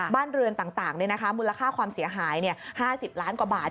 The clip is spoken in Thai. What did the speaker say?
บ้านเรือนต่างมูลค่าความเสียหาย๕๐ล้านกว่าบาท